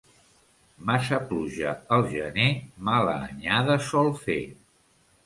Massa pluja al gener mala anyada sol fer.